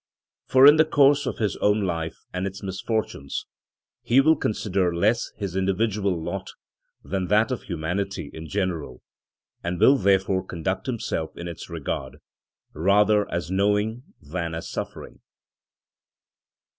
For in the course of his own life and its misfortunes, he will consider less his individual lot than that of humanity in general, and will therefore conduct himself in its regard, rather as knowing than as suffering.